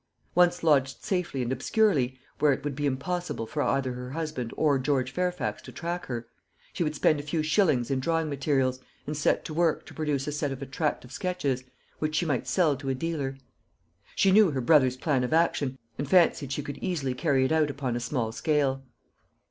Once lodged safely and obscurely, where it would be impossible for either her husband or George Fairfax to track her, she would spend a few shillings in drawing materials, and set to work to produce a set of attractive sketches, which she might sell to a dealer. She knew her brother's plan of action, and fancied she could easily carry it out upon a small scale.